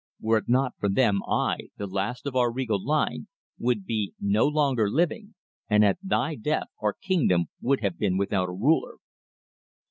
Were it not for them I, the last of our regal line, would be no longer living, and at thy death our kingdom would have been without a ruler."